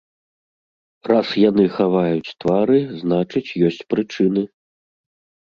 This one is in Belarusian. Раз яны хаваюць твары, значыць, ёсць прычыны.